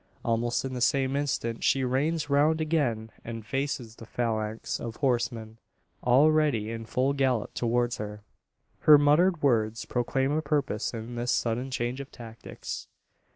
Almost in the same instant, she reins round again; and faces the phalanx of horsemen, already in full gallop towards her. Her muttered words proclaim a purpose in this sudden change of tactics.